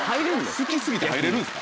好き過ぎて入れるんですか？